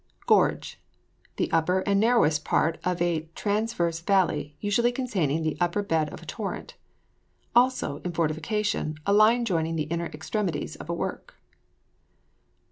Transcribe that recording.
GORGE. The upper and narrowest part of a transverse valley, usually containing the upper bed of a torrent. Also, in fortification, a line joining the inner extremities of a work.